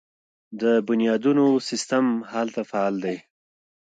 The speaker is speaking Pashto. د بنیادونو سیستم هلته فعال دی.